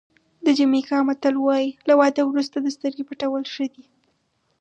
د جمیکا متل وایي له واده وروسته د سترګې پټول ښه دي.